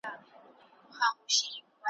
او د شعرونو مجموعې یې چاپ ته سپارلې `